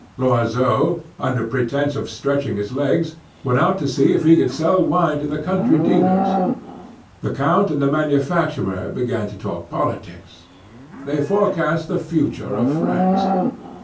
Loiseau, under pretence of stretching his legs, went out to see if he could sell wine to the country dealers. The count and the manufacturer began to talk politics. They forecast the future of France.